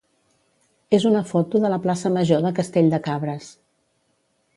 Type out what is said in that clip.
és una foto de la plaça major de Castell de Cabres.